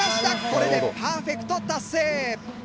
これでパーフェクト達成！